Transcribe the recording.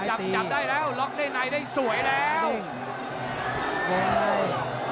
จับจับได้แล้วล็อกได้ในได้สวยแล้ว